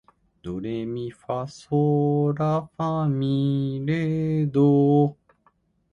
ドレミファソーラファ、ミ、レ、ドー